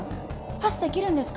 パスできるんですか？